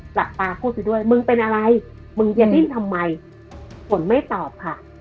หลับตาพูดไปด้วยมึงเป็นอะไรมึงจะดิ้นทำไมฝนไม่ตอบค่ะ